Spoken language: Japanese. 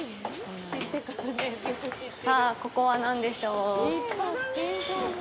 さあ、ここは何でしょ？